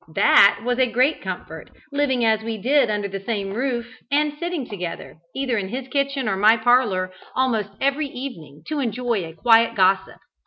That was a great comfort, living as we did under the same roof, and sitting together, either in his kitchen or my parlour, almost every evening, to enjoy a quiet gossip.